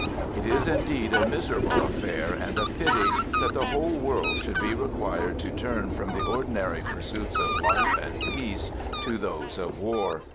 It is indeed a miserable affair and a pity that the whole world should be required to turn from the ordinary pursuits of life and peace to those of war.